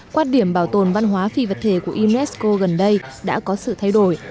quan điểm bảo tồn văn hóa phi vật thể của unesco gần đây đã có sự thay đổi